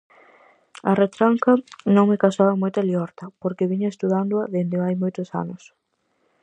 A retranca non me causaba moita liorta, porque viña estudándoa dende hai moitos anos.